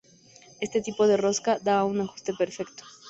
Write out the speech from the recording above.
Este tipo de rosca da un ajuste perfecto.